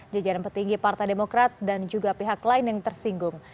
jajaran petinggi partai demokrat dan juga pihak lain yang tersinggung